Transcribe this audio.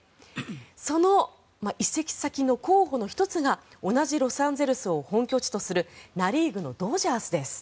その移籍先の候補の１つが同じロサンゼルスを本拠地とするナ・リーグのドジャースです。